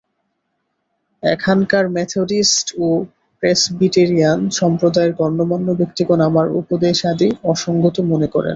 এখানকার মেথডিষ্ট ও প্রেসবিটেরিয়ান সম্প্রদায়ের গণ্যমান্য ব্যক্তিগণ আমার উপদেশাদি অসঙ্গত মনে করেন।